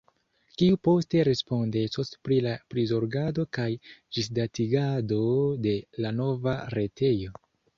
Kiu poste respondecos pri la prizorgado kaj ĝisdatigado de la nova retejo?